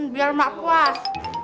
biar mak puas